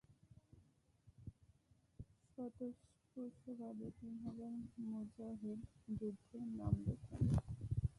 স্বতঃস্ফূর্তভাবে তিন হাজার মুজাহিদ যুদ্ধে নাম লেখান।